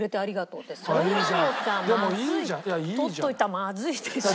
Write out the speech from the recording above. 取っといたらまずいでしょ。